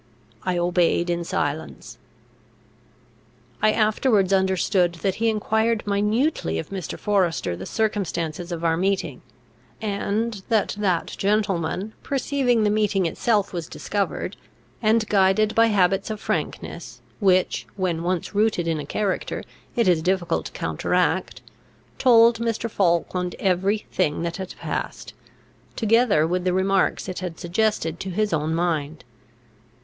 I obeyed in silence. I afterwards understood, that he enquired minutely of Mr. Forester the circumstances of our meeting; and that that gentleman, perceiving that the meeting itself was discovered, and guided by habits of frankness, which, when once rooted in a character, it is difficult to counteract, told Mr. Falkland every thing that had passed, together with the remarks it had suggested to his own mind.